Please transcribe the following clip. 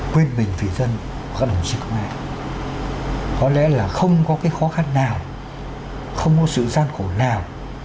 quyền bình phỉ dân của các đồng chí công an có lẽ là không có cái khó khăn nào không có sự gian khổ nào